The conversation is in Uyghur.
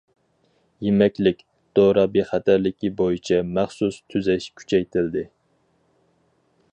يېمەكلىك، دورا بىخەتەرلىكى بويىچە مەخسۇس تۈزەش كۈچەيتىلدى.